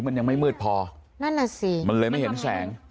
มันยังไม่มืดพอมันเลยไม่เห็นแสง